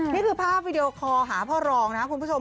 นี่คือภาพวิดีโอคอลหาพ่อรองนะครับคุณผู้ชม